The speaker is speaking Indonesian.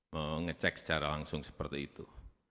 mengecek secara langsung seperti itu